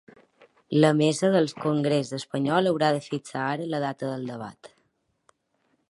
La mesa del congrés espanyol haurà de fixar ara la data del debat.